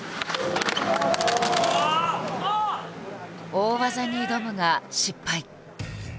大技に挑むが失敗。